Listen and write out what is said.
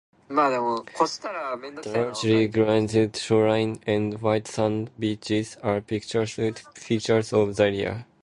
The largely granite shoreline and white sand beaches are picturesque features of the area.